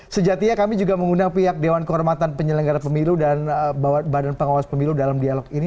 sejatinya kami juga mengundang pihak dewan kehormatan penyelenggara pemilu dan badan pengawas pemilu dalam dialog ini